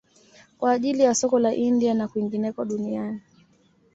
Kwa ajili ya soko la India na kwingineko duniani